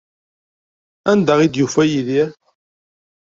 Anda ay d-yufa Yidir?